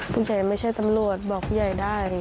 ผู้ใหญ่ไม่ใช่ตำรวจบอกผู้ใหญ่ได้